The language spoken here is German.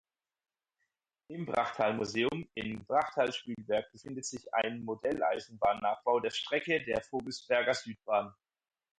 Im "Brachttal-Museum" in Brachttal-Spielberg befindet sich ein Modelleisenbahn-Nachbau der Strecke der Vogelsberger Südbahn.